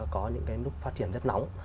có những cái nút phát triển rất nóng